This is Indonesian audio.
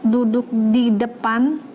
duduk di depan